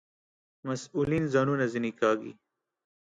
مسئولین ځانونه ځنې کاږي.